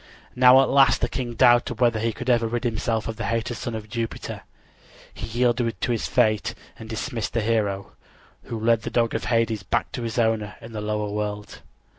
Now at last the king doubted whether he could ever rid himself of the hated son of Jupiter. He yielded to his fate and dismissed the hero, who led the dog of Hades back to his owner in the lower world.